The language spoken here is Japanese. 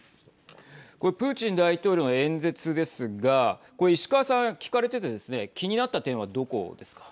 これプーチン大統領の演説ですがこれ、石川さん聞かれててですね気になった点はどこですか。